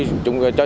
cho chúng tôi